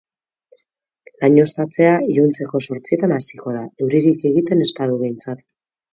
Lainoztatzea iluntzeko zortzietan hasiko da, euririk egiten ez badu behintzat.